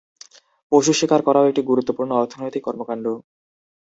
পশু শিকার করাও একটি গুরুত্বপূর্ণ অর্থনৈতিক কর্মকাণ্ড।